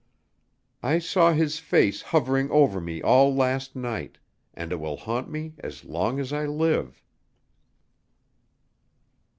I saw his face hovering over me all last night, and it will haunt me as long as I live."